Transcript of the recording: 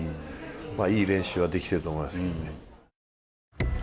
いい練習ができていると思いますけどね。